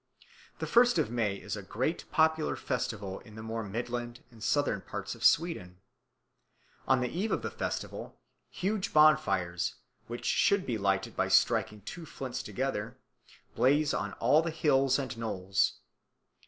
The first of May is a great popular festival in the more midland and southern parts of Sweden. On the eve of the festival huge bonfires, which should be lighted by striking two flints together, blaze on all the hills and knolls.